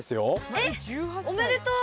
えっおめでとう！